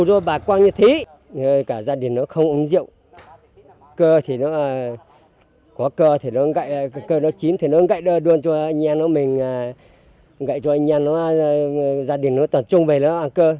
cơ thì nó có cơ thì nó gãy cơ nó chín thì nó gãy đơn cho anh em nó mình gãy cho anh em nó gia đình nó tập trung về nó ăn cơ